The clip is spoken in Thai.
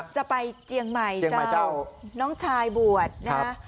เจียงใหม่เจ้าน้องชายบวชนะฮะ